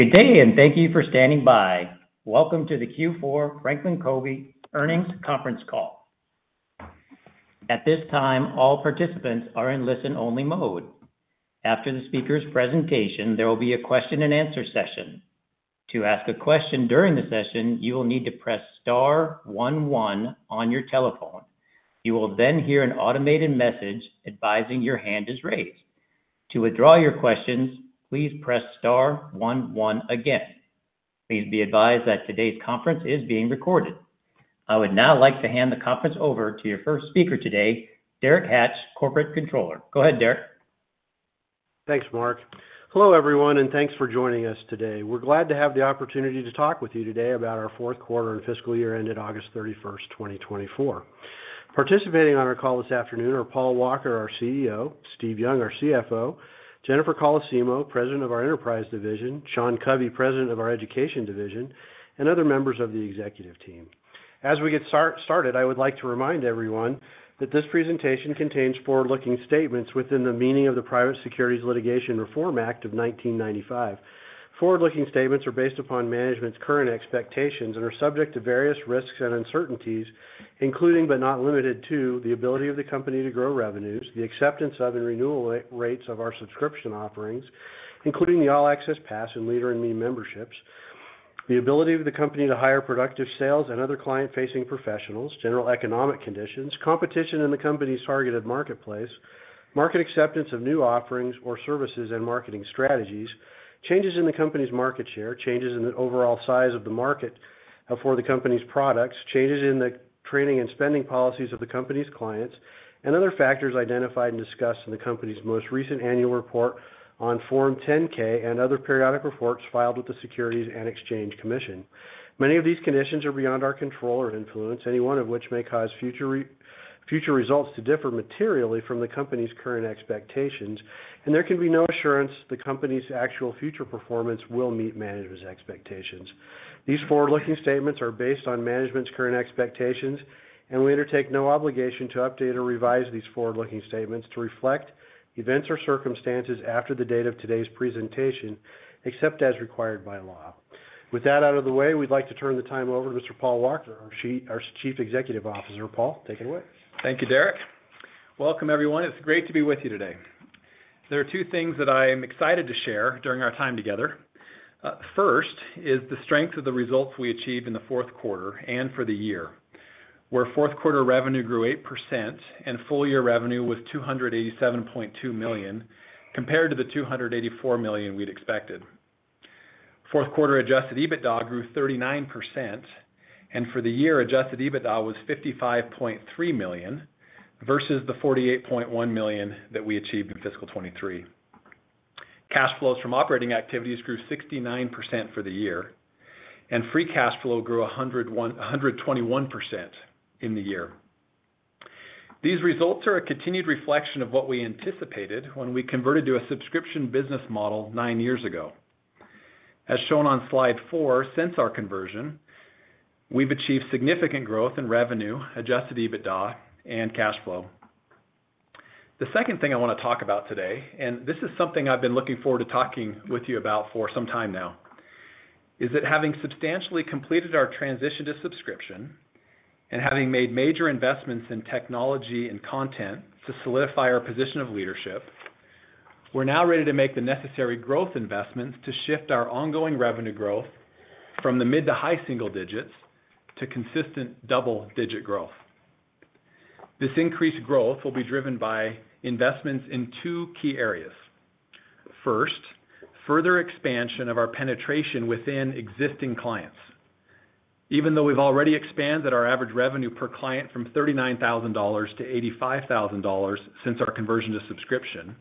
Good day, and thank you for standing by. Welcome to the Q4 Franklin Covey Earnings Conference Call. At this time, all participants are in listen-only mode. After the speaker's presentation, there will be a question-and-answer session. To ask a question during the session, you will need to press star 11 on your telephone. You will then hear an automated message advising your hand is raised. To withdraw your questions, please press star 11 again. Please be advised that today's conference is being recorded. I would now like to hand the conference over to your first speaker today, Derek Hatch, Corporate Controller. Go ahead, Derek. Thanks, Mark. Hello, everyone, and thanks for joining us today. We're glad to have the opportunity to talk with you today about our Q4 and fiscal year ended August 31, 2024. Participating on our call this afternoon are Paul Walker, our CEO, Steve Young, our CFO, Jennifer Colosimo, President of our Enterprise Division, Sean Covey, President of our Education Division, and other members of the executive team. As we get started, I would like to remind everyone that this presentation contains forward-looking statements within the meaning of the Private Securities Litigation Reform Act of 1995. Forward-looking statements are based upon management's current expectations and are subject to various risks and uncertainties, including but not limited to the ability of the company to grow revenues, the acceptance of and renewal rates of our subscription offerings, including the All Access Pass and Leader in Me memberships, the ability of the company to hire productive sales and other client-facing professionals, general economic conditions, competition in the company's targeted marketplace, market acceptance of new offerings or services and marketing strategies, changes in the company's market share, changes in the overall size of the market for the company's products, changes in the training and spending policies of the company's clients, and other factors identified and discussed in the company's most recent annual report on Form 10-K and other periodic reports filed with the Securities and Exchange Commission. Many of these conditions are beyond our control or influence, any one of which may cause future results to differ materially from the company's current expectations, and there can be no assurance the company's actual future performance will meet management's expectations. These forward-looking statements are based on management's current expectations, and we undertake no obligation to update or revise these forward-looking statements to reflect events or circumstances after the date of today's presentation, except as required by law. With that out of the way, we'd like to turn the time over to Mr. Paul Walker, our Chief Executive Officer. Paul, take it away. Thank you, Derek. Welcome, everyone. It's great to be with you today. There are two things that I am excited to share during our time together. First is the strength of the results we achieved in the Q4 and for the year, where Q4 revenue grew 8% and full year revenue was $287.2 million compared to the $284 million we'd expected. Q4 adjusted EBITDA grew 39%, and for the year, adjusted EBITDA was $55.3 million versus the $48.1 million that we achieved in fiscal 2023. Cash flows from operating activities grew 69% for the year, and free cash flow grew 121% in the year. These results are a continued reflection of what we anticipated when we converted to a subscription business model nine years ago. As shown on slide four, since our conversion, we've achieved significant growth in revenue, adjusted EBITDA, and cash flow. The second thing I want to talk about today, and this is something I've been looking forward to talking with you about for some time now, is that having substantially completed our transition to subscription and having made major investments in technology and content to solidify our position of leadership, we're now ready to make the necessary growth investments to shift our ongoing revenue growth from the mid to high single digits to consistent double-digit growth. This increased growth will be driven by investments in two key areas. First, further expansion of our penetration within existing clients. Even though we've already expanded our average revenue per client from $39,000 to $85,000 since our conversion to subscription,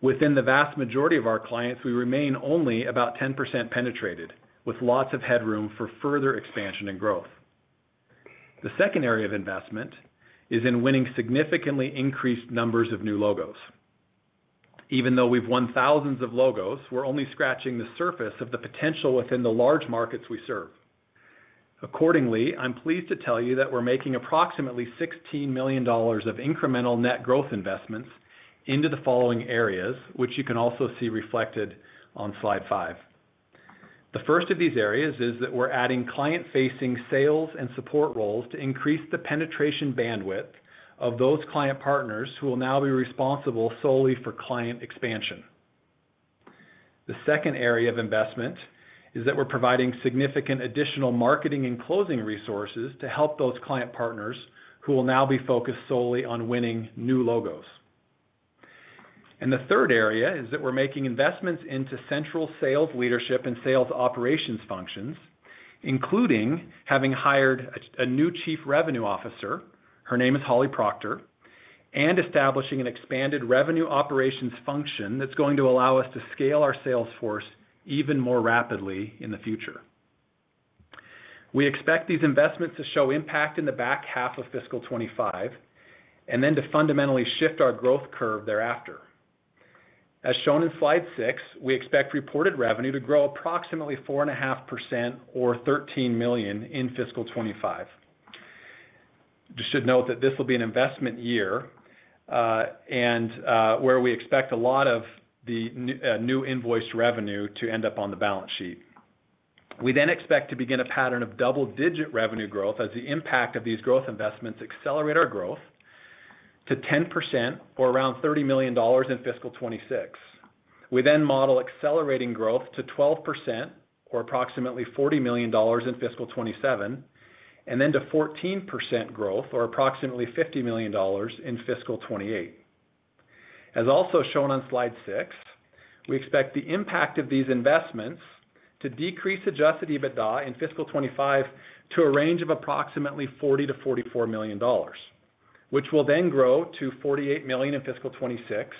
within the vast majority of our clients, we remain only about 10% penetrated, with lots of headroom for further expansion and growth. The second area of investment is in winning significantly increased numbers of new logos. Even though we've won thousands of logos, we're only scratching the surface of the potential within the large markets we serve. Accordingly, I'm pleased to tell you that we're making approximately $16 million of incremental net growth investments into the following areas, which you can also see reflected on slide five. The first of these areas is that we're adding client-facing sales and support roles to increase the penetration bandwidth of those client partners who will now be responsible solely for client expansion. The second area of investment is that we're providing significant additional marketing and closing resources to help those client partners who will now be focused solely on winning new logos. The third area is that we're making investments into central sales leadership and sales operations functions, including having hired a new Chief Revenue Officer. Her name is Holly Proctor, and establishing an expanded revenue operations function that's going to allow us to scale our sales force even more rapidly in the future. We expect these investments to show impact in the back half of fiscal 2025 and then to fundamentally shift our growth curve thereafter. As shown in slide six, we expect reported revenue to grow approximately 4.5% or $13 million in fiscal 2025. Just should note that this will be an investment year and where we expect a lot of the new invoice revenue to end up on the balance sheet. We then expect to begin a pattern of double-digit revenue growth as the impact of these growth investments accelerate our growth to 10% or around $30 million in fiscal 2026. We then model accelerating growth to 12% or approximately $40 million in fiscal 2027, and then to 14% growth or approximately $50 million in fiscal 2028. As also shown on slide six, we expect the impact of these investments to decrease Adjusted EBITDA in fiscal 2025 to a range of approximately $40-$44 million, which will then grow to $48 million in fiscal 2026,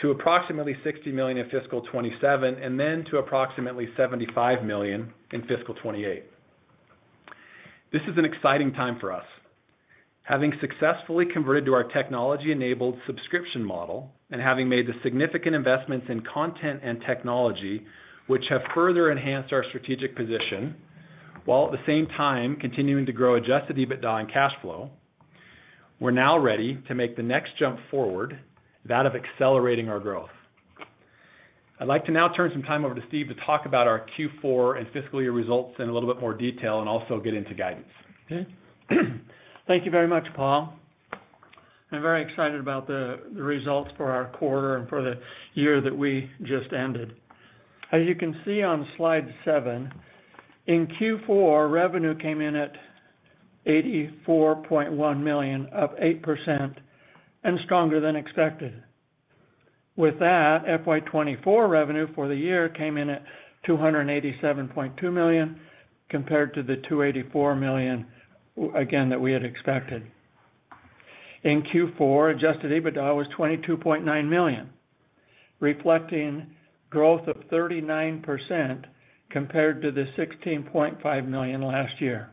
to approximately $60 million in fiscal 2027, and then to approximately $75 million in fiscal 2028. This is an exciting time for us. Having successfully converted to our technology-enabled subscription model and having made the significant investments in content and technology, which have further enhanced our strategic position while at the same time continuing to grow Adjusted EBITDA and cash flow, we're now ready to make the next jump forward, that of accelerating our growth. I'd like to now turn some time over to Steve to talk about our Q4 and fiscal year results in a little bit more detail and also get into guidance. Thank you very much, Paul. I'm very excited about the results for our quarter and for the year that we just ended. As you can see on slide seven, in Q4, revenue came in at $84.1 million, up 8%, and stronger than expected. With that, FY24 revenue for the year came in at $287.2 million compared to the $284 million, again, that we had expected. In Q4, Adjusted EBITDA was $22.9 million, reflecting growth of 39% compared to the $16.5 million last year.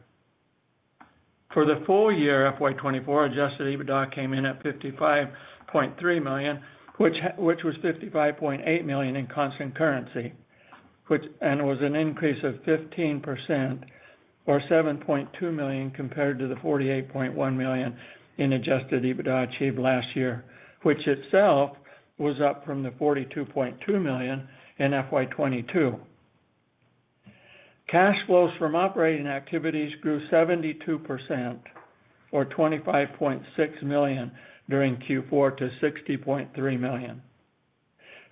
For the full year, FY24 Adjusted EBITDA came in at $55.3 million, which was $55.8 million in constant currency, and was an increase of 15% or $7.2 million compared to the $48.1 million in Adjusted EBITDA achieved last year, which itself was up from the $42.2 million in FY22. Cash flows from operating activities grew 72% or $25.6 million during Q4 to $60.3 million.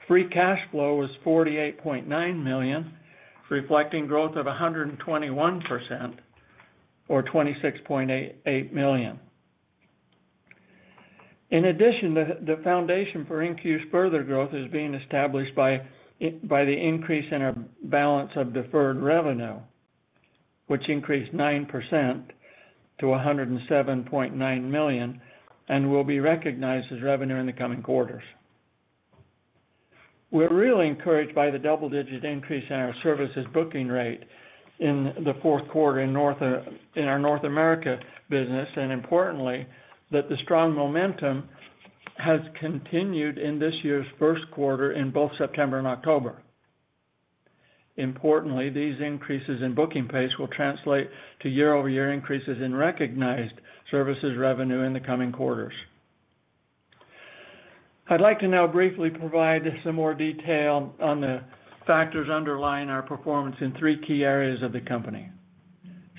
Free cash flow was $48.9 million, reflecting growth of 121% or $26.8 million. In addition, the foundation for increased further growth is being established by the increase in our balance of deferred revenue, which increased 9% to $107.9 million and will be recognized as revenue in the coming quarters. We're really encouraged by the double-digit increase in our services booking rate in the Q4 in our North America business, and importantly, that the strong momentum has continued in this year's Q1 in both September and October. Importantly, these increases in booking pace will translate to year-over-year increases in recognized services revenue in the coming quarters. I'd like to now briefly provide some more detail on the factors underlying our performance in three key areas of the company,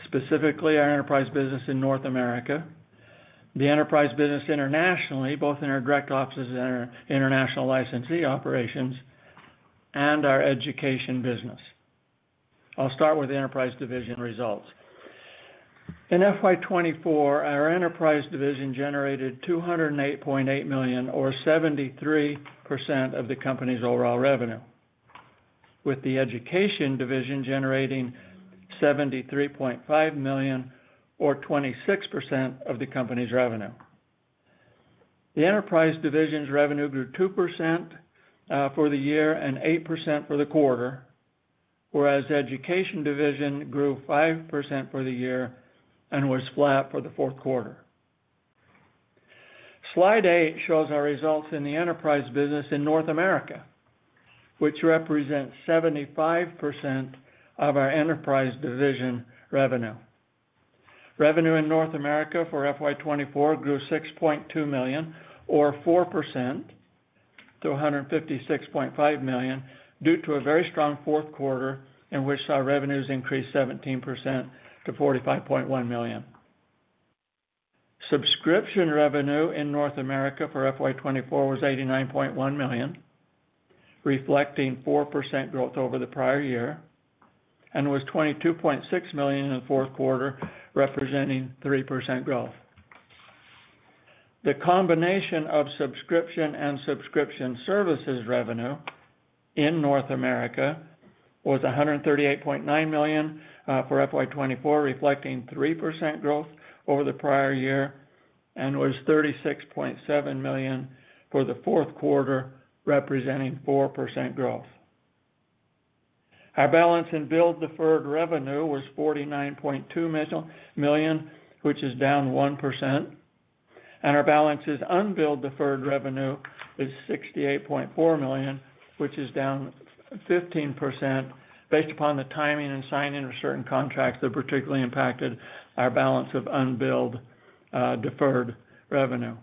specifically our enterprise business in North America, the enterprise business internationally, both in our direct offices and our international licensee operations, and our education business. I'll start with the enterprise division results. In FY24, our enterprise division generated $208.8 million or 73% of the company's overall revenue, with the education division generating $73.5 million or 26% of the company's revenue. The enterprise division's revenue grew 2% for the year and 8% for the quarter, whereas the education division grew 5% for the year and was flat for the Q4. Slide 8 shows our results in the enterprise business in North America, which represents 75% of our enterprise division revenue. Revenue in North America for FY24 grew $6.2 million or 4% to $156.5 million due to a very strong Q4 in which our revenues increased 17% to $45.1 million. Subscription revenue in North America for FY24 was $89.1 million, reflecting 4% growth over the prior year, and was $22.6 million in the Q4, representing 3% growth. The combination of subscription and subscription services revenue in North America was $138.9 million for FY24, reflecting 3% growth over the prior year, and was $36.7 million for the Q4, representing 4% growth. Our balance in billed deferred revenue was $49.2 million, which is down 1%, and our balance in unbilled deferred revenue is $68.4 million, which is down 15% based upon the timing and signing of certain contracts that particularly impacted our balance of unbilled deferred revenue.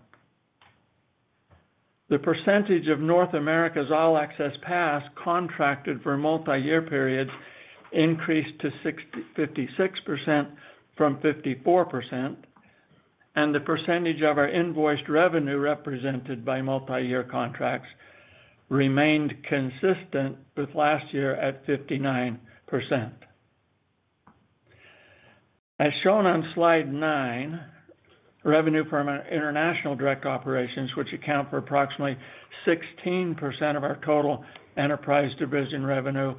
The percentage of North America's All Access Pass contracted for multi-year periods increased to 56% from 54%, and the percentage of our invoiced revenue represented by multi-year contracts remained consistent with last year at 59%. As shown on slide nine, revenue from our international direct operations, which account for approximately 16% of our total enterprise division revenue,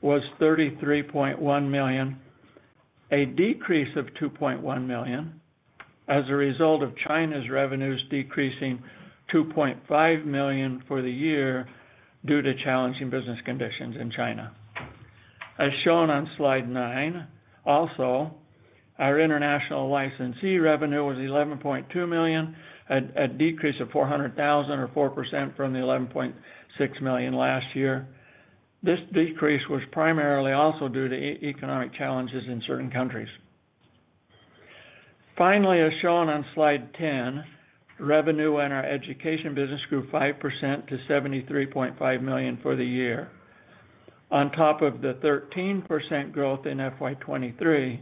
was $33.1 million, a decrease of $2.1 million as a result of China's revenues decreasing $2.5 million for the year due to challenging business conditions in China. As shown on slide nine, also, our international licensee revenue was $11.2 million, a decrease of $400,000 or 4% from the $11.6 million last year. This decrease was primarily also due to economic challenges in certain countries. Finally, as shown on slide 10, revenue in our education business grew 5% to $73.5 million for the year, on top of the 13% growth in FY23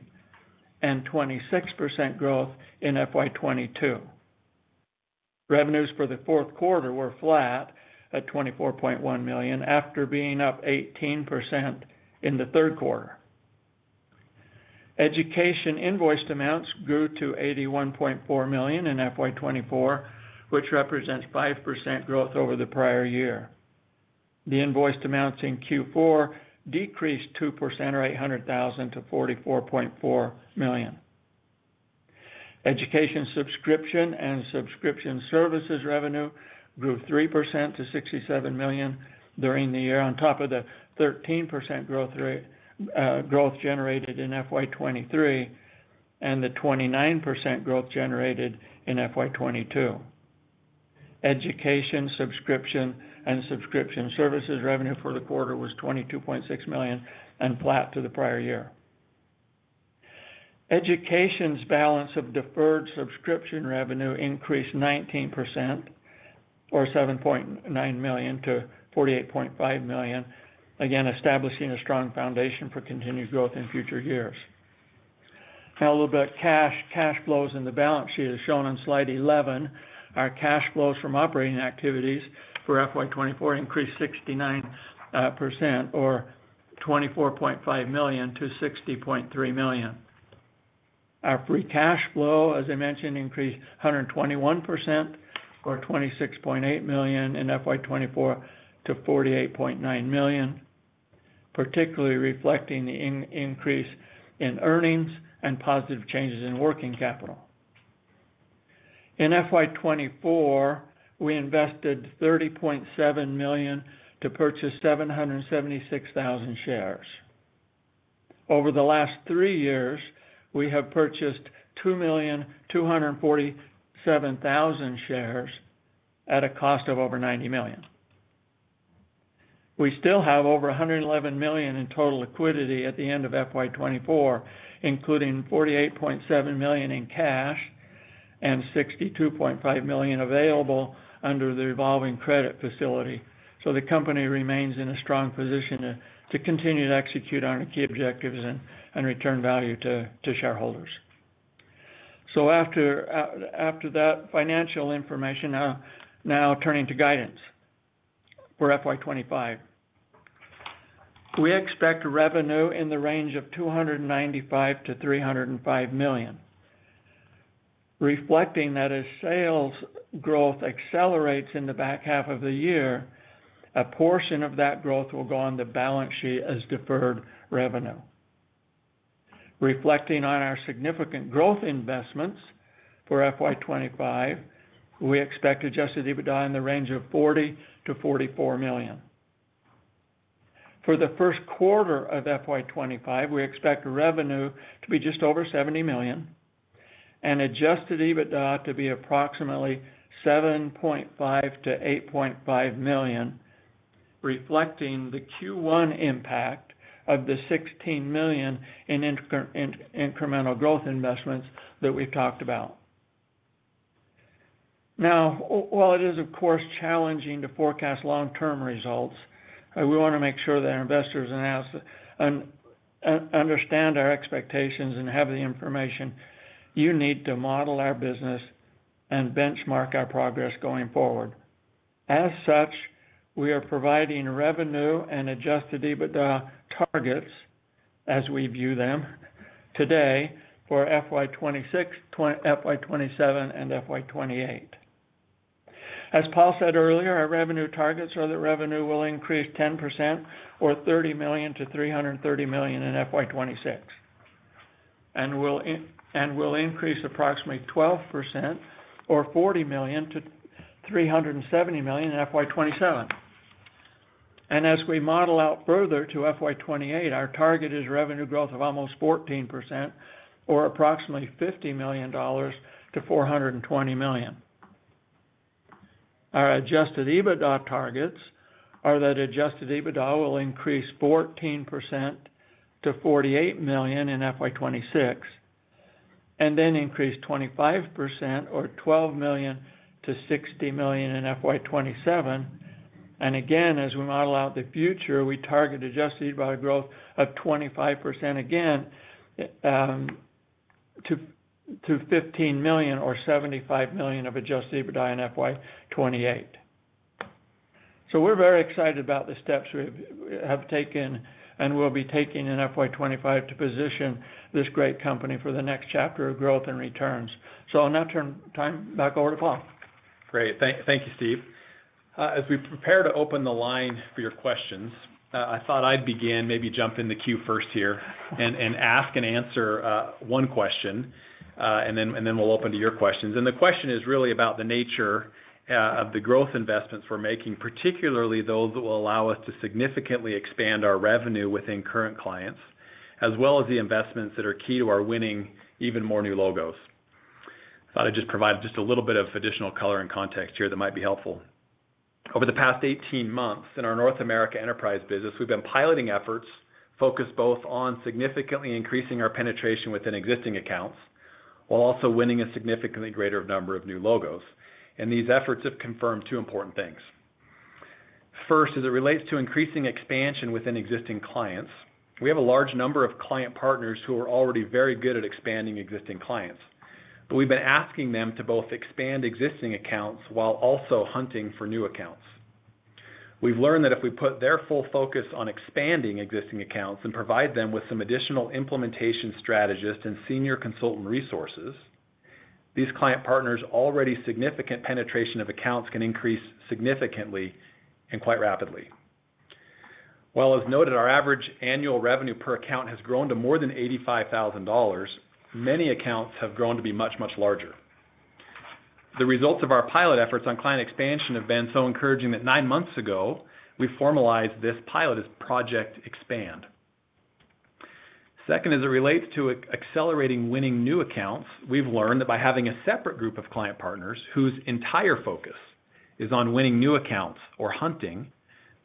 and 26% growth in FY22. Revenues for the Q4 were flat at $24.1 million after being up 18% in the Q3. Education invoiced amounts grew to $81.4 million in FY24, which represents 5% growth over the prior year. The invoiced amounts in Q4 decreased 2% or $800,000 to $44.4 million. Education subscription and subscription services revenue grew 3% to $67 million during the year, on top of the 13% growth generated in FY23 and the 29% growth generated in FY22. Education subscription and subscription services revenue for the quarter was $22.6 million and flat to the prior year. Education's balance of deferred subscription revenue increased 19% or $7.9 million to $48.5 million, again establishing a strong foundation for continued growth in future years. Now, a little bit of cash flows in the balance sheet as shown on slide 11. Our cash flows from operating activities for FY24 increased 69% or $24.5 million to $60.3 million. Our free cash flow, as I mentioned, increased 121% or $26.8 million in FY24 to $48.9 million, particularly reflecting the increase in earnings and positive changes in working capital. In FY24, we invested $30.7 million to purchase 776,000 shares. Over the last three years, we have purchased 2,247,000 shares at a cost of over $90 million. We still have over $111 million in total liquidity at the end of FY24, including $48.7 million in cash and $62.5 million available under the revolving credit facility. The company remains in a strong position to continue to execute on our key objectives and return value to shareholders. After that financial information, now turning to guidance for FY25. We expect revenue in the range of $295 million-$305 million. Reflecting that as sales growth accelerates in the back half of the year, a portion of that growth will go on the balance sheet as deferred revenue. Reflecting on our significant growth investments for FY25, we expect Adjusted EBITDA in the range of $40 million-$44 million. For the Q1 of FY25, we expect revenue to be just over $70 million and Adjusted EBITDA to be approximately $7.5 million-$8.5 million, reflecting the Q1 impact of the $16 million in incremental growth investments that we've talked about. Now, while it is, of course, challenging to forecast long-term results, we want to make sure that investors understand our expectations and have the information you need to model our business and benchmark our progress going forward. As such, we are providing revenue and Adjusted EBITDA targets as we view them today for FY26, FY27, and FY28. As Paul said earlier, our revenue targets are that revenue will increase 10% or $30 million to $330 million in FY26 and will increase approximately 12% or $40 million to $370 million in FY27. And as we model out further to FY28, our target is revenue growth of almost 14% or approximately $50 million to $420 million. Our Adjusted EBITDA targets are that Adjusted EBITDA will increase 14% to $48 million in FY26 and then increase 25% or $12 million to $60 million in FY27. Again, as we model out the future, we target Adjusted EBITDA growth of 25% again to $15 million or $75 million of Adjusted EBITDA in FY28. So we're very excited about the steps we have taken and will be taking in FY25 to position this great company for the next chapter of growth and returns. So I'll now turn time back over to Paul. Great. Thank you, Steve. As we prepare to open the line for your questions, I thought I'd begin, maybe jump in the queue first here and ask and answer one question, and then we'll open to your questions. And the question is really about the nature of the growth investments we're making, particularly those that will allow us to significantly expand our revenue within current clients, as well as the investments that are key to our winning even more new logos. I thought I'd just provide just a little bit of additional color and context here that might be helpful. Over the past 18 months in our North America enterprise business, we've been piloting efforts focused both on significantly increasing our penetration within existing accounts while also winning a significantly greater number of new logos. And these efforts have confirmed two important things. First, as it relates to increasing expansion within existing clients, we have a large number of client partners who are already very good at expanding existing clients, but we've been asking them to both expand existing accounts while also hunting for new accounts. We've learned that if we put their full focus on expanding existing accounts and provide them with some additional implementation strategists and senior consultant resources, these client partners' already significant penetration of accounts can increase significantly and quite rapidly. Well, as noted, our average annual revenue per account has grown to more than $85,000. Many accounts have grown to be much, much larger. The results of our pilot efforts on client expansion have been so encouraging that nine months ago, we formalized this pilot Project Expand. Second, as it relates to accelerating winning new accounts, we've learned that by having a separate group of client partners whose entire focus is on winning new accounts or hunting,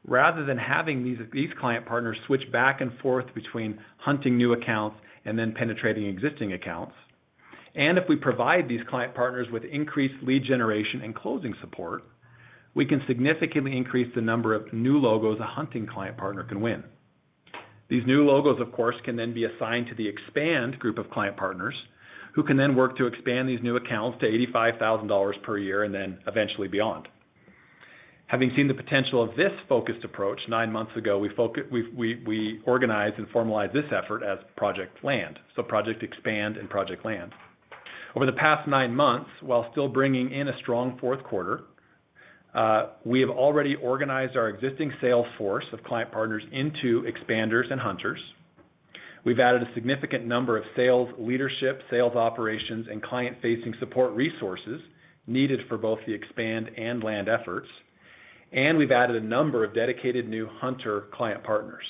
rather than having these client partners switch back and forth between hunting new accounts and then penetrating existing accounts, and if we provide these client partners with increased lead generation and closing support, we can significantly increase the number of new logos a hunting client partner can win. These new logos, of course, can then be assigned to the Expand group of client partners who can then work to expand these new accounts to $85,000 per year and then eventually beyond. Having seen the potential of this focused approach, nine months ago, we organized and formalized this effort as Project Land, so Project Expand and Project Land. Over the past nine months, while still bringing in a strong Q4, we have already organized our existing sales force of client partners into expanders and hunters. We've added a significant number of sales leadership, sales operations, and client-facing support resources needed for both the Expand and Land efforts, and we've added a number of dedicated new hunter client partners.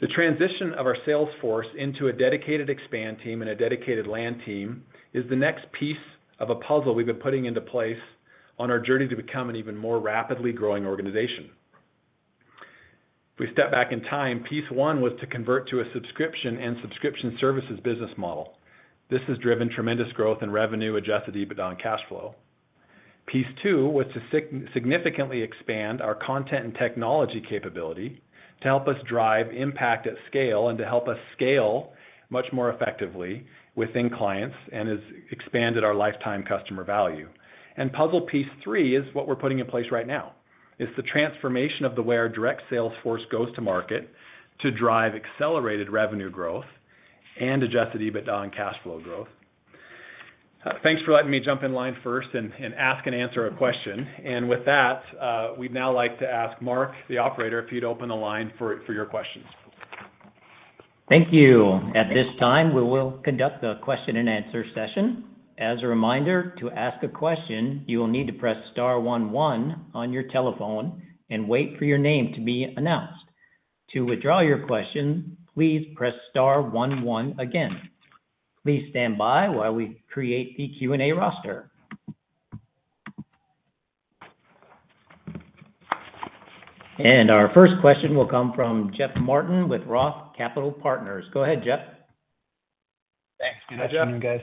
The transition of our sales force into a dedicated Expand team and a dedicated Land team is the next piece of a puzzle we've been putting into place on our journey to become an even more rapidly growing organization. If we step back in time, piece one was to convert to a subscription and subscription services business model. This has driven tremendous growth in revenue, Adjusted EBITDA and cash flow. Piece two was to significantly expand our content and technology capability to help us drive impact at scale and to help us scale much more effectively within clients, and has expanded our lifetime customer value. And puzzle piece three is what we're putting in place right now. It's the transformation of the way our direct sales force goes to market to drive accelerated revenue growth and Adjusted EBITDA and cash flow growth. Thanks for letting me jump in line first and ask and answer a question. And with that, we'd now like to ask Mark, the operator, if you'd open the line for your questions. Thank you. At this time, we will conduct the question and answer session. As a reminder, to ask a question, you will need to press star 11 on your telephone and wait for your name to be announced. To withdraw your question, please press star 11 again. Please stand by while we create the Q&A roster. And our first question will come from Jeff Martin with Roth Capital Partners. Go ahead, Jeff. Thanks. Good afternoon, guys.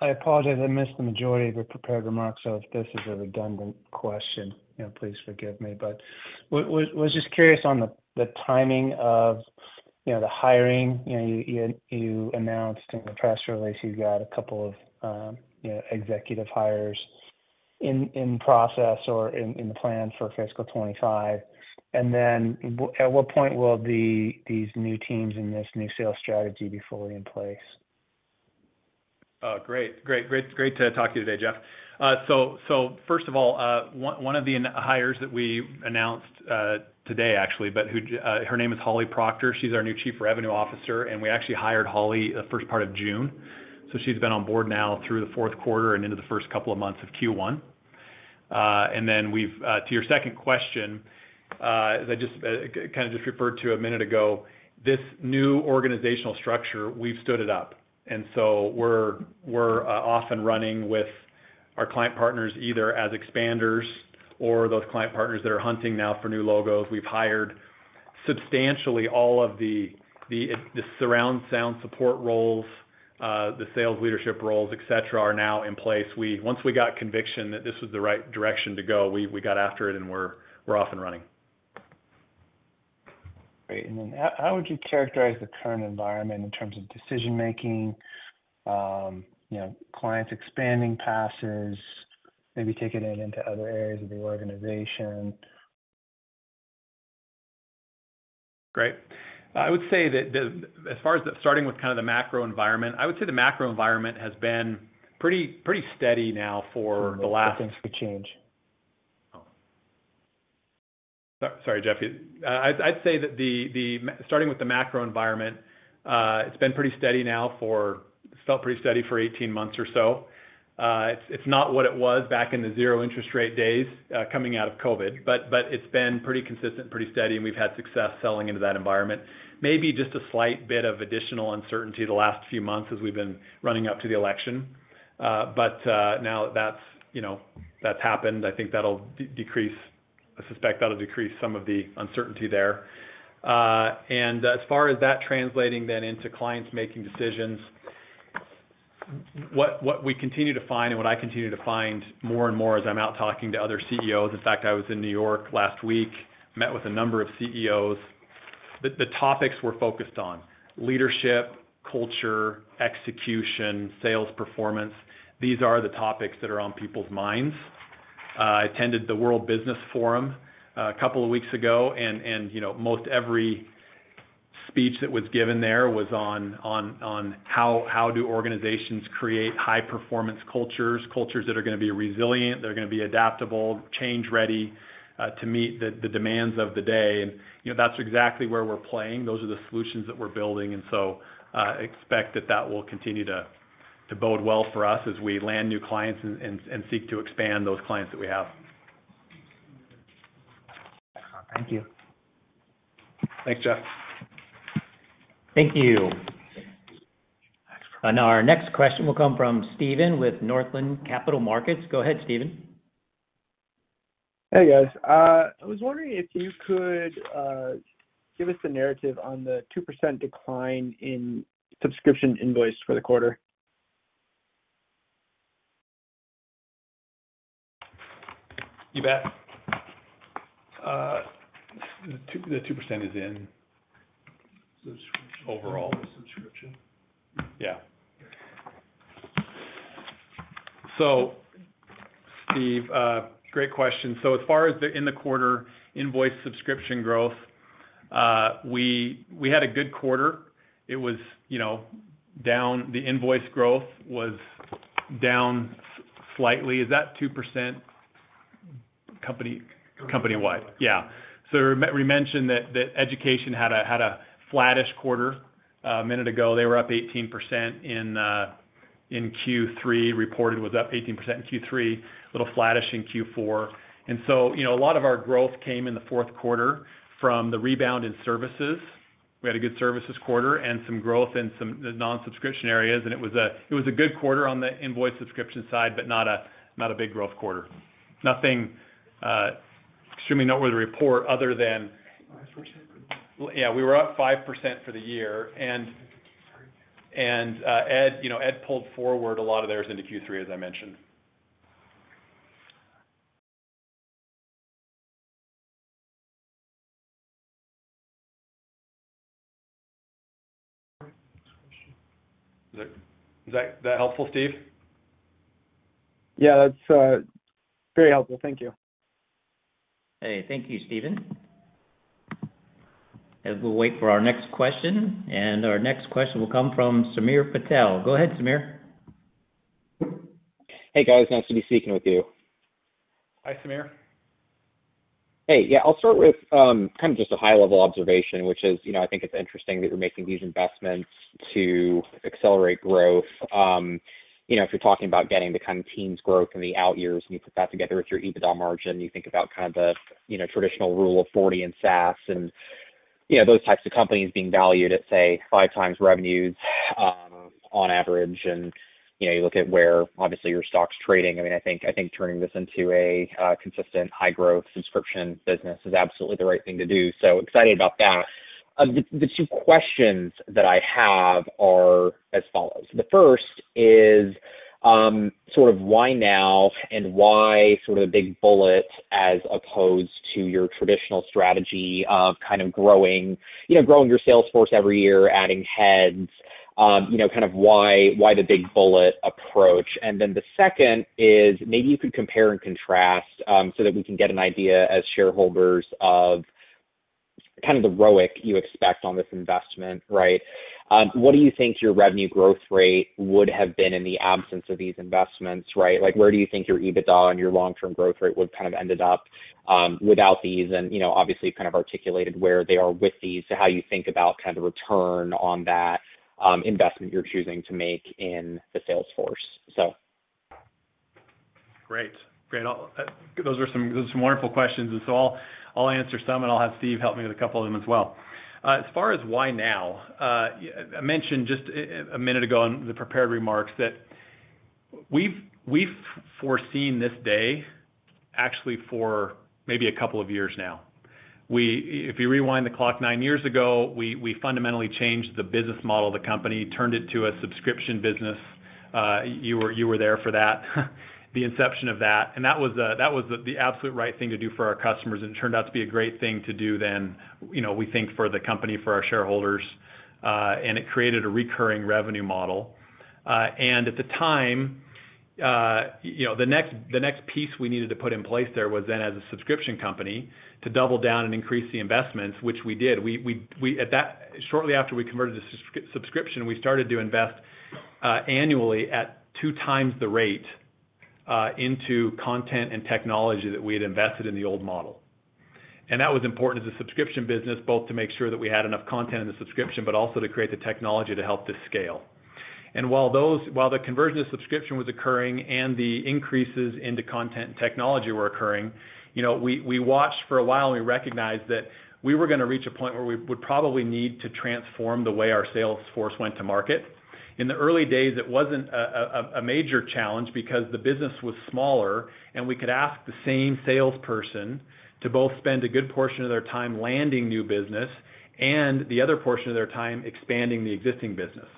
I apologize. I missed the majority of your prepared remarks, so if this is a redundant question, please forgive me. But I was just curious on the timing of the hiring. You announced in the press release you've got a couple of executive hires in process or in the plan for fiscal 2025. And then at what point will these new teams and this new sales strategy be fully in place? Great. Great. Great to talk to you today, Jeff, so first of all, one of the hires that we announced today, actually, but her name is Holly Proctor. She's our new Chief Revenue Officer, and we actually hired Holly the first part of June, so she's been on board now through the Q4 and into the first couple of months of Q1, and then to your second question, as I just kind of referred to a minute ago, this new organizational structure, we've stood it up. And so we're off and running with our client partners either as expanders or those client partners that are hunting now for new logos. We've hired substantially all of the surround sound support roles, the sales leadership roles, etc., are now in place. Once we got conviction that this was the right direction to go, we got after it and we're off and running. Great. And then how would you characterize the current environment in terms of decision-making, clients expanding passes, maybe taking it into other areas of the organization? Great. I would say that as far as starting with kind of the macro environment, I would say the macro environment has been pretty steady now for the last. What's going to change? Sorry, Jeff. I'd say that starting with the macro environment, it's been pretty steady now. It's felt pretty steady for 18 months or so. It's not what it was back in the zero interest rate days coming out of COVID, but it's been pretty consistent, pretty steady, and we've had success selling into that environment. Maybe just a slight bit of additional uncertainty the last few months as we've been running up to the election. But now that's happened. I think that'll decrease. I suspect that'll decrease some of the uncertainty there. And as far as that translating then into clients making decisions, what we continue to find and what I continue to find more and more as I'm out talking to other CEOs. In fact, I was in New York last week, met with a number of CEOs. The topics we're focused on: leadership, culture, execution, sales performance. These are the topics that are on people's minds. I attended the World Business Forum a couple of weeks ago, and most every speech that was given there was on how do organizations create high-performance cultures, cultures that are going to be resilient, they're going to be adaptable, change-ready to meet the demands of the day. And that's exactly where we're playing. Those are the solutions that we're building. And so I expect that that will continue to bode well for us as we land new clients and seek to expand those clients that we have. Excellent. Thank you. Thanks, Jeff. Thank you. And our next question will come from Steven with Northland Capital Markets. Go ahead, Steven. Hey, guys. I was wondering if you could give us the narrative on the 2% decline in subscription revenue for the quarter. You bet. The 2% is in overall subscription. Yeah. So, Steve, great question. So as far as the in-the-quarter invoice subscription growth, we had a good quarter. It was down. The invoice growth was down slightly. Is that 2% company-wide? Yeah. So we mentioned that education had a flattish quarter a minute ago. They were up 18% in Q3. Reported was up 18% in Q3, a little flattish in Q4. And so a lot of our growth came in the Q4 from the rebound in services. We had a good services quarter and some growth in some non-subscription areas. And it was a good quarter on the invoice subscription side, but not a big growth quarter. Nothing extremely noteworthy to report other than yeah, we were up 5% for the year. And Ed pulled forward a lot of theirs into Q3, as I mentioned. Is that helpful, Steve? Yeah, that's very helpful. Thank you. Hey, thank you, Steven. And we'll wait for our next question. And our next question will come from Samir Patel. Go ahead, Samir. Hey, guys. Nice to be speaking with you. Hi, Samir. Hey. Yeah, I'll start with kind of just a high-level observation, which is I think it's interesting that you're making these investments to accelerate growth. If you're talking about getting the kind of teens growth in the out years and you put that together with your EBITDA margin, you think about kind of the traditional Rule of 40 in SaaS and those types of companies being valued at, say, five times revenues on average. And you look at where, obviously, your stock's trading. I mean, I think turning this into a consistent high-growth subscription business is absolutely the right thing to do. So excited about that. The two questions that I have are as follows. The first is sort of why now and why sort of the big bullet as opposed to your traditional strategy of kind of growing your sales force every year, adding heads, kind of why the big bullet approach. And then the second is maybe you could compare and contrast so that we can get an idea as shareholders of kind of the ROIC you expect on this investment, right? What do you think your revenue growth rate would have been in the absence of these investments, right? Where do you think your EBITDA and your long-term growth rate would have kind of ended up without these? And obviously, you've kind of articulated where they are with these, so how you think about kind of the return on that investment you're choosing to make in the sales force, so. Great. Great. Those are some wonderful questions. And so I'll answer some, and I'll have Steve help me with a couple of them as well. As far as why now, I mentioned just a minute ago in the prepared remarks that we've foreseen this day actually for maybe a couple of years now. If you rewind the clock nine years ago, we fundamentally changed the business model of the company, turned it to a subscription business. You were there for that, the inception of that. And that was the absolute right thing to do for our customers. And it turned out to be a great thing to do then, we think, for the company, for our shareholders. And it created a recurring revenue model. At the time, the next piece we needed to put in place there was then, as a subscription company, to double down and increase the investments, which we did. Shortly after we converted to subscription, we started to invest annually at two times the rate into content and technology that we had invested in the old model. That was important as a subscription business, both to make sure that we had enough content in the subscription, but also to create the technology to help this scale. While the conversion to subscription was occurring and the increases into content and technology were occurring, we watched for a while and we recognized that we would probably need to transform the way our sales force went to market. In the early days, it wasn't a major challenge because the business was smaller, and we could ask the same salesperson to both spend a good portion of their time landing new business and the other portion of their time expanding the existing business.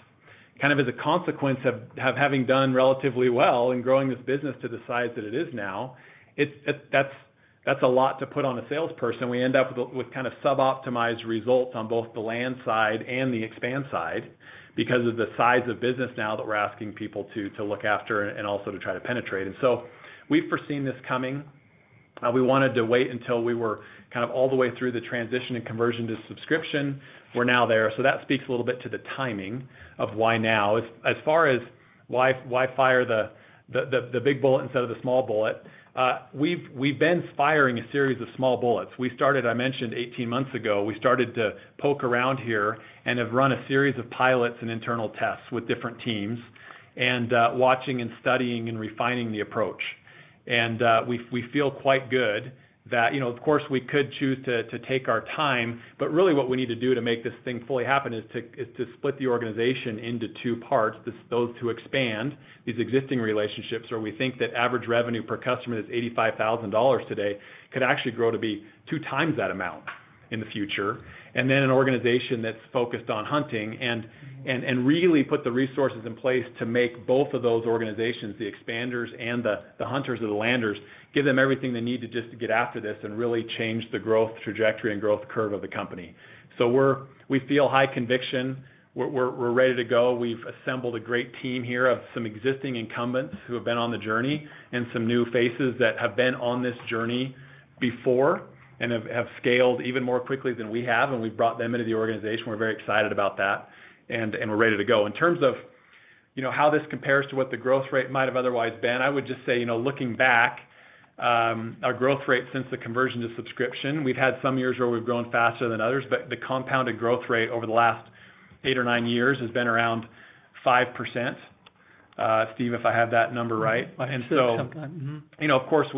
Kind of as a consequence of having done relatively well and growing this business to the size that it is now, that's a lot to put on a salesperson. We end up with kind of suboptimized results on both the land side and the expand side because of the size of business now that we're asking people to look after and also to try to penetrate. And so we've foreseen this coming. We wanted to wait until we were kind of all the way through the transition and conversion to subscription. We're now there. So that speaks a little bit to the timing of why now. As far as why fire the big bullet instead of the small bullet, we've been firing a series of small bullets. We started, I mentioned, 18 months ago. We started to poke around here and have run a series of pilots and internal tests with different teams and watching and studying and refining the approach. And we feel quite good that, of course, we could choose to take our time, but really what we need to do to make this thing fully happen is to split the organization into two parts: those to expand these existing relationships where we think that average revenue per customer that's $85,000 today could actually grow to be two times that amount in the future. And then, an organization that's focused on hunting and really put the resources in place to make both of those organizations, the expanders and the hunters and the landers, give them everything they need to just get after this and really change the growth trajectory and growth curve of the company. So we feel high conviction. We're ready to go. We've assembled a great team here of some existing incumbents who have been on the journey and some new faces that have been on this journey before and have scaled even more quickly than we have. And we've brought them into the organization. We're very excited about that and we're ready to go. In terms of how this compares to what the growth rate might have otherwise been, I would just say, looking back, our growth rate since the conversion to subscription, we've had some years where we've grown faster than others, but the compounded growth rate over the last eight or nine years has been around 5%. Steve, if I have that number right. That's a good compound. Of course,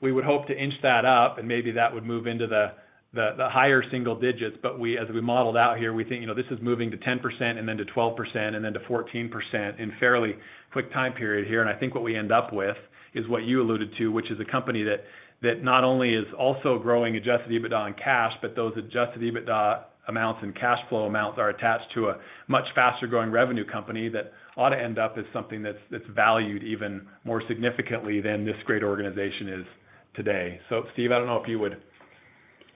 we would hope to inch that up, and maybe that would move into the higher single digits. But as we modeled out here, we think this is moving to 10% and then to 12% and then to 14% in a fairly quick time period here. And I think what we end up with is what you alluded to, which is a company that not only is also growing Adjusted EBITDA on cash, but those Adjusted EBITDA amounts and cash flow amounts are attached to a much faster-growing revenue company that ought to end up as something that's valued even more significantly than this great organization is today. So, Steve, I don't know if you would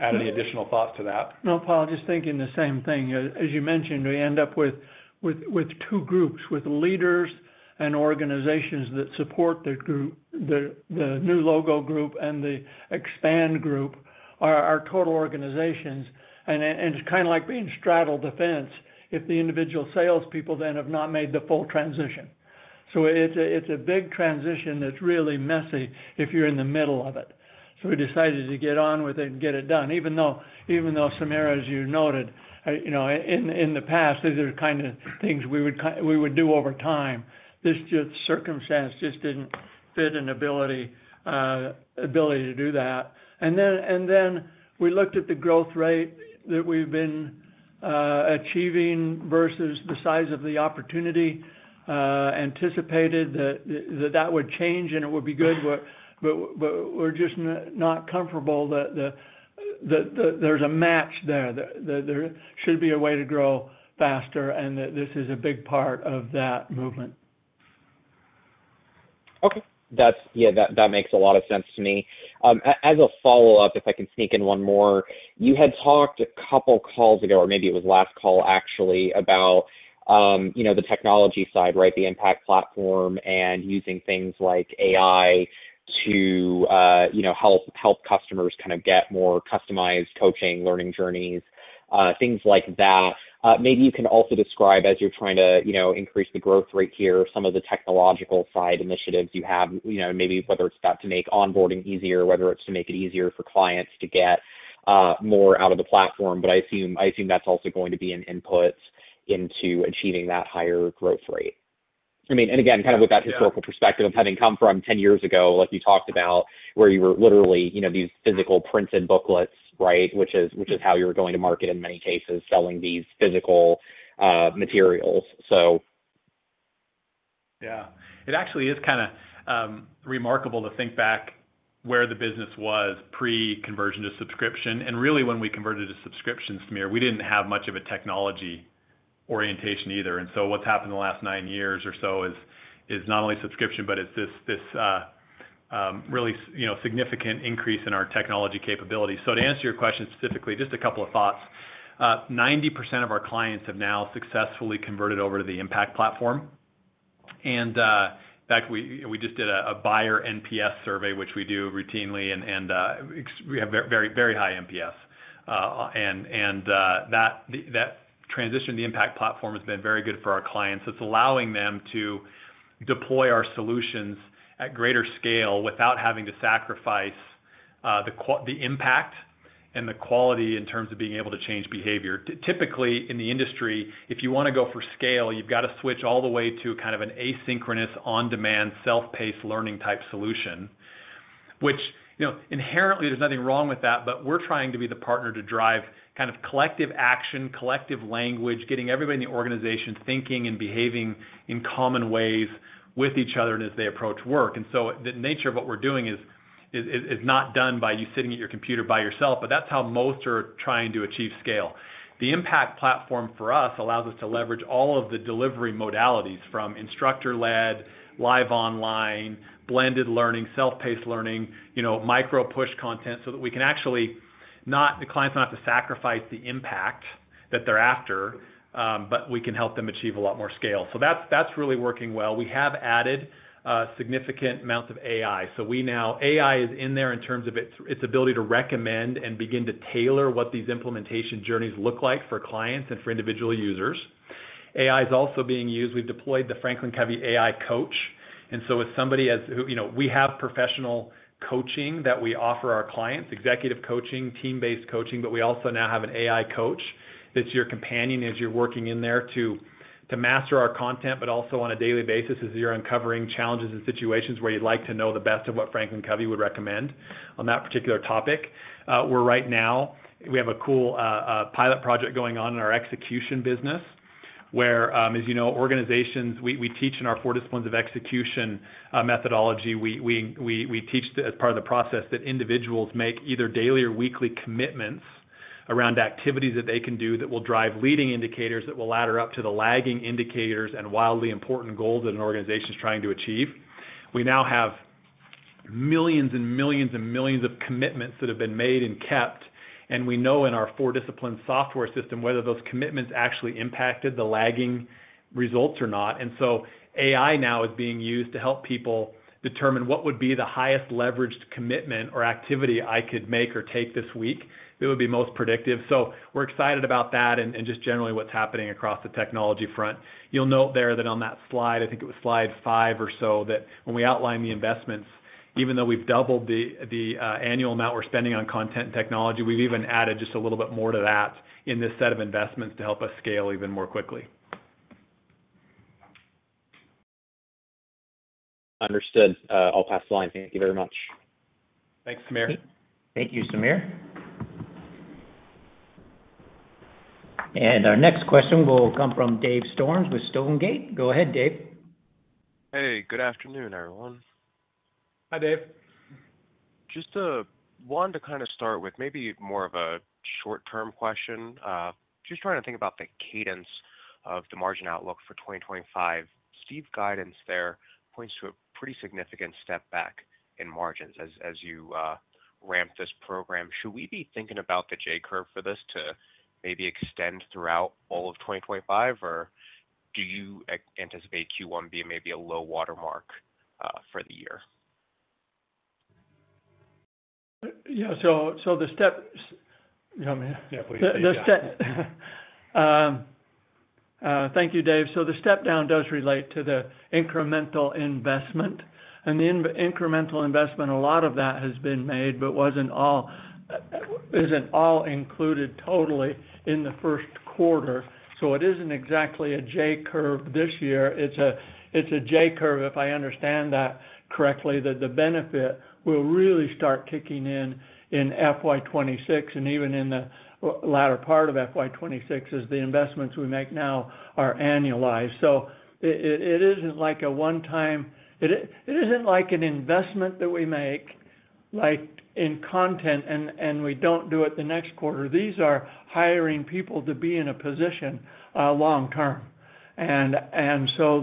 add any additional thoughts to that. No, Paul, just thinking the same thing. As you mentioned, we end up with two groups, with leaders and organizations that support the new logo group and the expand group, our total organizations, and it's kind of like being straddling the fence if the individual salespeople then have not made the full transition, so it's a big transition that's really messy if you're in the middle of it, so we decided to get on with it and get it done. Even though, Samir, as you noted, in the past, these are kind of things we would do over time, this circumstance just didn't fit an ability to do that, and then we looked at the growth rate that we've been achieving versus the size of the opportunity, anticipated that that would change and it would be good, but we're just not comfortable that there's a match there. There should be a way to grow faster and that this is a big part of that movement. Okay. Yeah, that makes a lot of sense to me. As a follow-up, if I can sneak in one more, you had talked a couple of calls ago, or maybe it was last call, actually, about the technology side, right, the Impact Platform and using things like AI to help customers kind of get more customized coaching, learning journeys, things like that. Maybe you can also describe, as you're trying to increase the growth rate here, some of the technological side initiatives you have, maybe whether it's about to make onboarding easier, whether it's to make it easier for clients to get more out of the platform. But I assume that's also going to be an input into achieving that higher growth rate. I mean, and again, kind of with that historical perspective of having come from 10 years ago, like you talked about, where you were literally these physical printed booklets, right, which is how you're going to market in many cases, selling these physical materials, so. Yeah. It actually is kind of remarkable to think back where the business was pre-conversion to subscription. And really, when we converted to subscription, Samir, we didn't have much of a technology orientation either. And so what's happened in the last nine years or so is not only subscription, but it's this really significant increase in our technology capability. So to answer your question specifically, just a couple of thoughts. 90% of our clients have now successfully converted over to the Impact Platform. And in fact, we just did a buyer NPS survey, which we do routinely, and we have very high NPS. And that transition to the Impact Platform has been very good for our clients. It's allowing them to deploy our solutions at greater scale without having to sacrifice the impact and the quality in terms of being able to change behavior. Typically, in the industry, if you want to go for scale, you've got to switch all the way to kind of an asynchronous, on-demand, self-paced learning type solution, which inherently there's nothing wrong with that, but we're trying to be the partner to drive kind of collective action, collective language, getting everybody in the organization thinking and behaving in common ways with each other as they approach work. So the nature of what we're doing is not done by you sitting at your computer by yourself, but that's how most are trying to achieve scale. The Impact Platform for us allows us to leverage all of the delivery modalities from instructor-led, live online, blended learning, self-paced learning, micro-push content so that we can actually not the clients don't have to sacrifice the impact that they're after, but we can help them achieve a lot more scale. That's really working well. We have added significant amounts of AI. Now AI is in there in terms of its ability to recommend and begin to tailor what these implementation journeys look like for clients and for individual users. AI is also being used. We've deployed the FranklinCovey AI Coach. And so as somebody who we have professional coaching that we offer our clients, executive coaching, team-based coaching, but we also now have an AI coach that's your companion as you're working in there to master our content, but also on a daily basis as you're uncovering challenges and situations where you'd like to know the best of what Franklin Covey would recommend on that particular topic. Where right now, we have a cool pilot project going on in our execution business where, as you know, organizations we teach in our 4 Disciplines of Execution methodology. We teach as part of the process that individuals make either daily or weekly commitments around activities that they can do that will drive leading indicators that will ladder up to the lagging indicators and wildly important goals that an organization is trying to achieve. We now have millions and millions and millions of commitments that have been made and kept, and we know in our 4 Disciplines software system whether those commitments actually impacted the lagging results or not, and so AI now is being used to help people determine what would be the highest leveraged commitment or activity I could make or take this week that would be most predictive, so we're excited about that and just generally what's happening across the technology front. You'll note there that on that slide, I think it was slide five or so, that when we outline the investments, even though we've doubled the annual amount we're spending on content and technology, we've even added just a little bit more to that in this set of investments to help us scale even more quickly. Understood. I'll pass the line. Thank you very much. Thanks, Samir. Thank you, Samir. And our next question will come from Dave Storms with Stonegate. Go ahead, Dave. Hey, good afternoon, everyone. Hi, Dave. Just wanted to kind of start with maybe more of a short-term question. Just trying to think about the cadence of the margin outlook for 2025. Steve's guidance there points to a pretty significant step back in margins as you ramp this program. Should we be thinking about the J curve for this to maybe extend throughout all of 2025, or do you anticipate Q1 being maybe a low watermark for the year? Yeah. So the step-. Yeah, please. Thank you, Dave. So the step down does relate to the incremental investment. And the incremental investment, a lot of that has been made, but isn't all included totally in the Q1. So it isn't exactly a J curve this year. It's a J curve, if I understand that correctly, that the benefit will really start kicking in in FY26 and even in the latter part of FY26 as the investments we make now are annualized. So it isn't like an investment that we make in content and we don't do it the next quarter. These are hiring people to be in a position long-term. And so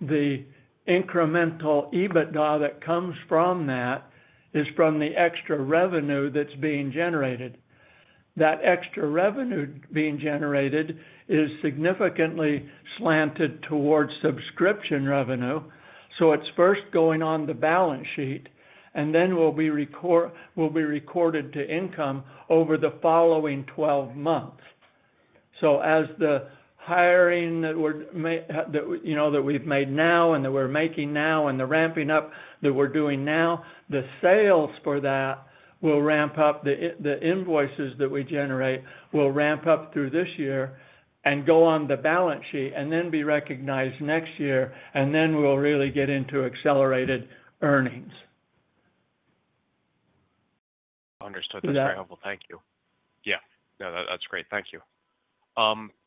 the incremental EBITDA that comes from that is from the extra revenue that's being generated. That extra revenue being generated is significantly slanted towards subscription revenue. So it's first going on the balance sheet and then will be recorded to income over the following 12 months, so as the hiring that we've made now and that we're making now and the ramping up that we're doing now, the sales for that will ramp up. The invoices that we generate will ramp up through this year and go on the balance sheet and then be recognized next year, and then we'll really get into accelerated earnings. Understood. That's very helpful. Thank you. Yeah. No, that's great. Thank you.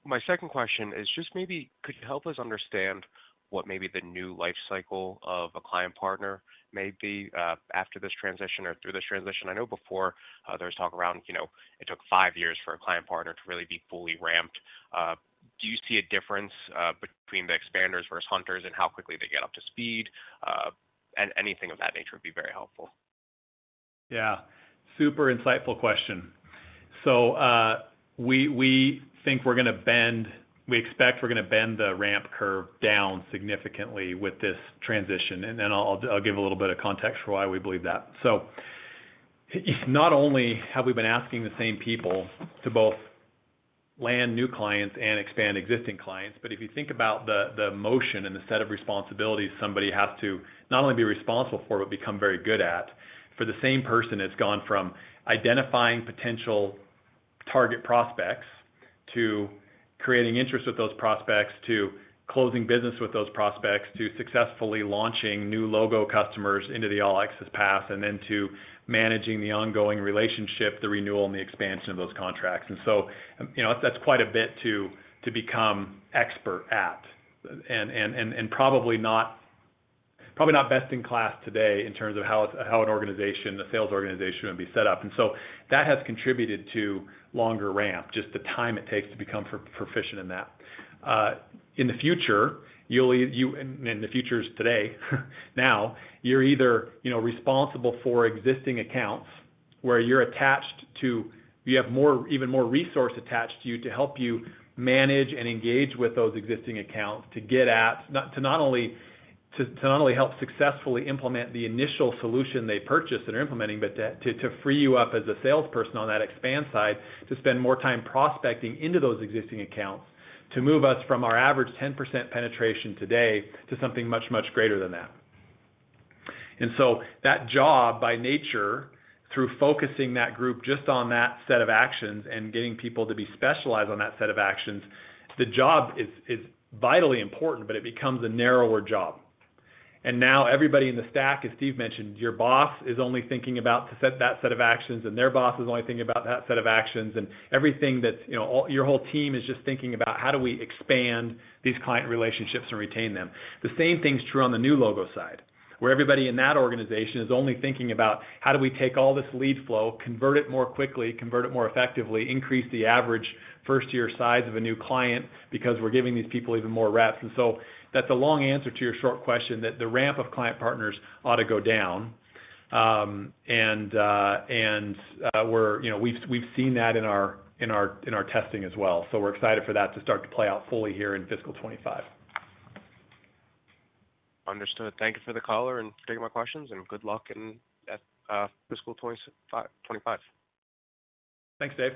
My second question is just maybe could you help us understand what maybe the new life cycle of a client partner may be after this transition or through this transition? I know before there was talk around it took five years for a client partner to really be fully ramped. Do you see a difference between the expanders versus hunters and how quickly they get up to speed? Anything of that nature would be very helpful. Yeah. Super insightful question. So we expect we're going to bend the ramp curve down significantly with this transition, and I'll give a little bit of context for why we believe that. So not only have we been asking the same people to both land new clients and expand existing clients, but if you think about the motion and the set of responsibilities somebody has to not only be responsible for, but become very good at, for the same person that's gone from identifying potential target prospects to creating interest with those prospects to closing business with those prospects to successfully launching new logo customers into the All Access Pass and then to managing the ongoing relationship, the renewal, and the expansion of those contracts. And so that's quite a bit to become expert at and probably not best in class today in terms of how an organization, a sales organization, would be set up. And so that has contributed to longer ramp, just the time it takes to become proficient in that. In the future, you'll, and the future is today, now, you're either responsible for existing accounts where you're attached to, you have even more resources attached to you to help you manage and engage with those existing accounts to not only help successfully implement the initial solution they purchased and are implementing, but to free you up as a salesperson on that expand side to spend more time prospecting into those existing accounts to move us from our average 10% penetration today to something much, much greater than that. And so that job by nature, through focusing that group just on that set of actions and getting people to be specialized on that set of actions, the job is vitally important, but it becomes a narrower job. And now everybody in the stack, as Steve mentioned, your boss is only thinking about that set of actions, and their boss is only thinking about that set of actions, and everything that's, your whole team is just thinking about how do we expand these client relationships and retain them. The same thing's true on the new logo side, where everybody in that organization is only thinking about how do we take all this lead flow, convert it more quickly, convert it more effectively, increase the average first-year size of a new client because we're giving these people even more reps. And so that's a long answer to your short question that the ramp of client partners ought to go down. And we've seen that in our testing as well. So we're excited for that to start to play out fully here in fiscal 2025. Understood. Thank you for the caller and for taking my questions, and good luck in fiscal 2025. Thanks, Dave.